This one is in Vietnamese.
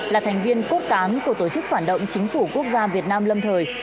là thành viên cốt cán của tổ chức phản động chính phủ quốc gia việt nam lâm thời